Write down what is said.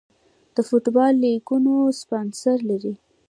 د فوټبال لیګونه سپانسر لري